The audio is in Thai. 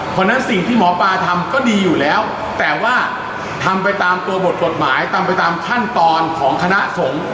เพราะฉะนั้นสิ่งที่หมอปลาทำก็ดีอยู่แล้วแต่ว่าทำไปตามตัวบทกฎหมายทำไปตามขั้นตอนของคณะสงฆ์